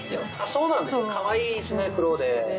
そうなんですねかわいいですね黒で。